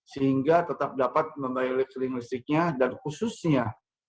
sehingga tetap dapat membayar listriknya dan khususnya